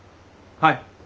はい。